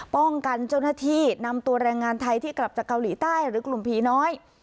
เจ้าหน้าที่นำตัวแรงงานไทยที่กลับจากเกาหลีใต้หรือกลุ่มผีน้อย